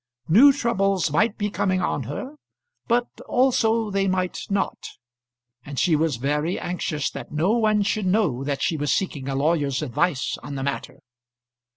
New troubles might be coming on her, but also they might not; and she was very anxious that no one should know that she was seeking a lawyer's advice on the matter.